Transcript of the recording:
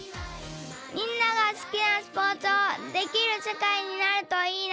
みんながすきなスポーツをできるせかいになるといいな